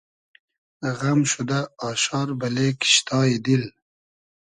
غئم شودۂ آشار بئلې کیشتای دیل